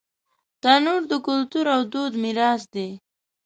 تنور د کلتور او دود میراث دی